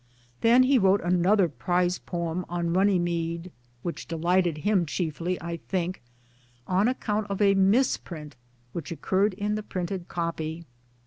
Then he wrote another prize poem on Runnymede, which delighted him chiefly I think on account of a misprint which occurred in the printed copy.